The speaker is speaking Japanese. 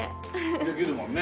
できるもんね。